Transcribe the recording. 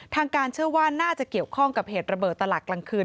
ทางการเชื่อว่าน่าจะเกี่ยวข้องกับเหตุระเบิดตลาดกลางคืน